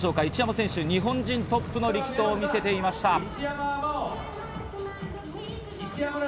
一山選手、日本人トップの力走を見せていました。